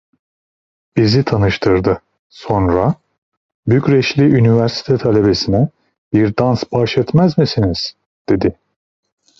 Bizi tanıştırdı, sonra: 'Bükreşli üniversite talebesine bir dans bahşetmez misiniz?' dedi.